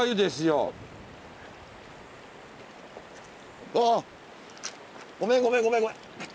うわごめんごめんごめん。